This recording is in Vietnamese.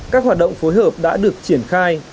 các hoạt động phối hợp đã được triển khai